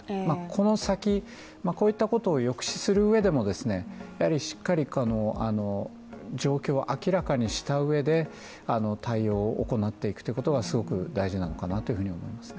この先、こういったことを抑止するうえでもやはりしっかり状況を明らかにしたうえで対応を行っていくということがすごく大事なのかなというふうに思います。